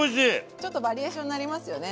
ちょっとバリエーションなりますよね